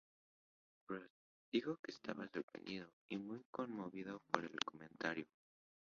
Prost dijo que estaba sorprendido y muy conmovido por el comentario.